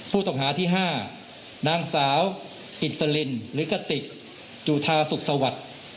ผู้ตกหาที่๕นางสาวอินเซลินหรือกติกจุธาสุขสวรรค